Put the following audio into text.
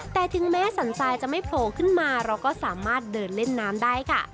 แต่ถึงแม้สันทรายจะไม่โผล่ขึ้นมาเราก็สามารถเดินเล่นน้ำได้ค่ะ